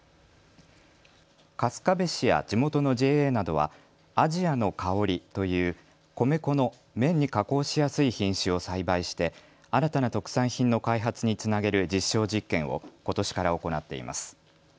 春日部市や地元のＪＡなどは亜細亜のかおりという米粉の麺に加工しやすい品種を栽培して新たな特産品の開発につなげる実証実験をことしから行っています。